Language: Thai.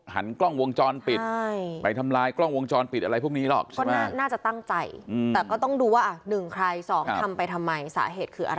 หันกล้องวงจรเปลี่ยนไปทำร้ายกล้องวงจรเปลี่ยนอะไรพวกนี้หรอก